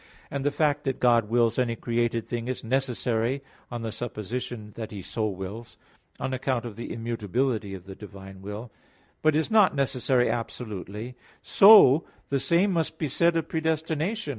4): and the fact that God wills any created thing is necessary on the supposition that He so wills, on account of the immutability of the divine will, but is not necessary absolutely; so the same must be said of predestination.